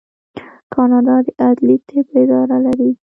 کاناډا د عدلي طب اداره لري.